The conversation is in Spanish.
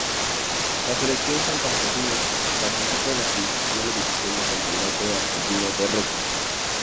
La selección santafesina participa en la Segunda División del Campeonato Argentino de Rugby.